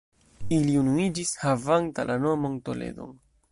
Ili unuiĝis havanta la nomon Toledo.